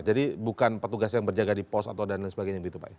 jadi bukan petugas yang berjaga di pos atau dan lain sebagainya begitu pak